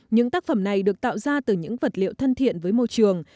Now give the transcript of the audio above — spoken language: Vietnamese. những tác phẩm này được tạo ra từ những vật liệu thân thiện với môi trường